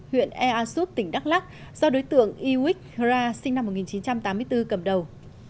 huyện ea súp tỉnh đắk lắc do đối tượng iwick hara sinh năm một nghìn chín trăm tám mươi bốn cầm đầu